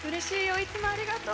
いつもありがとう！